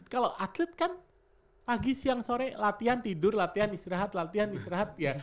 kalau atlet kan pagi siang sore latihan tidur latihan istirahat latihan istirahat ya